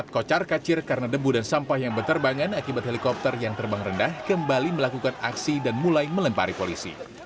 kocar kacir karena debu dan sampah yang berterbangan akibat helikopter yang terbang rendah kembali melakukan aksi dan mulai melempari polisi